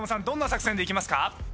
どんな作戦でいきますか？